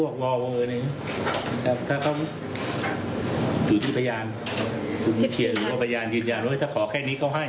ก็โอเค